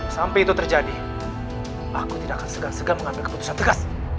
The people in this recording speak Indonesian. sampai itu terjadi aku tidak akan segan segan mengambil keputusan tegas